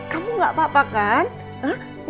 kamu gak apa apa kan